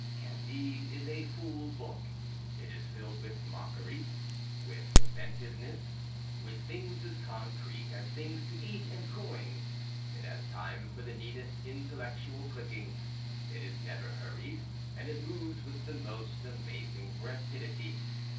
"Candide" is a full book. It is filled with mockery, with inventiveness, with things as concrete as things to eat and coins, it has time for the neatest intellectual clickings, it is never hurried, and it moves with the most amazing rapidity.